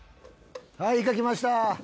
はいイカきました！